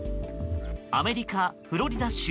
アメリカ・フロリダ州。